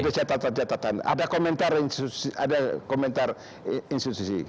ada jatuh jatuh ada komentar institusi